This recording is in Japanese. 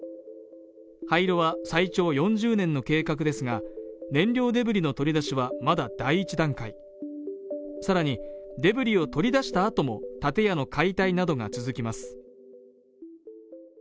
廃炉は最長４０年の計画ですが燃料デブリの取り出しはまだ第１段階更にデブリを取り出したあとも建屋の解体などが続きます